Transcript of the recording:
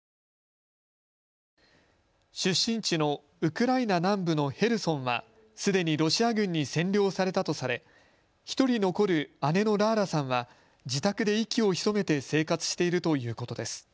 出身地のウクライナ南部のヘルソンはすでにロシア軍に占領されたとされ、１人残る姉のラーラさんは自宅で息を潜めて生活しているということです。